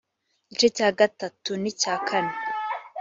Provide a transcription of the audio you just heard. igice cya gatatu n icya kane